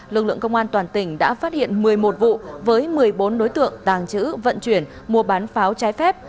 lực lượng công an toàn tỉnh đã phát hiện một mươi một vụ với một mươi bốn đối tượng tàng trữ vận chuyển mua bán pháo trái phép